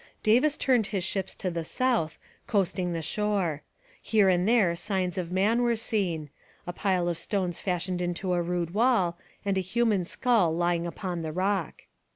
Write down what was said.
Davis turned his ships to the south, coasting the shore. Here and there signs of man were seen, a pile of stones fashioned into a rude wall and a human skull lying upon the rock.